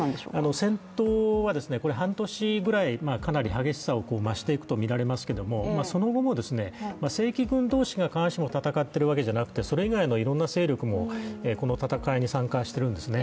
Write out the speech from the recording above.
戦闘は半年ぐらいかなり激しさを増していくとみられますけれどもその後も正規軍同士が必ずしも戦っているわけではなくてそれ以外のいろんな勢力もこの戦いに参加しているんですね。